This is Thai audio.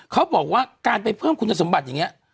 เขาบอกว่าการไปเพิ่มคุณสมบัติอย่างนี้